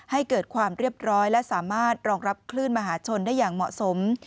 ให้เกิดความเรียบร้อยและสามารถรองรับคลื่นมหาชนได้อย่างเหมาะสม